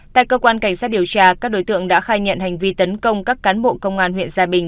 tại cơ quan cảnh sát điều tra các đối tượng đã khai nhận hành vi tấn công các cán bộ công an huyện gia bình